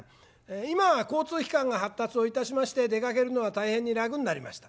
今は交通機関が発達をいたしまして出かけるのは大変に楽になりました。